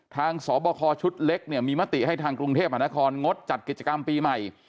สอบคอชุดเล็กเนี่ยมีมติให้ทางกรุงเทพมหานครงดจัดกิจกรรมปีใหม่